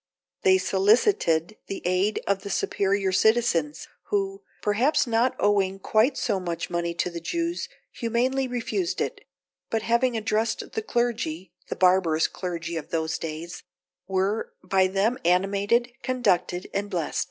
They solicited the aid of the superior citizens, who, perhaps not owing quite so much money to the Jews, humanely refused it; but having addressed the clergy (the barbarous clergy of those days) were by them animated, conducted, and blest.